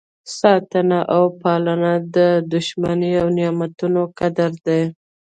ساتنه او پالنه د شتمنۍ او نعمتونو قدر دی.